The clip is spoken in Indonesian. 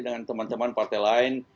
dengan teman teman partai lain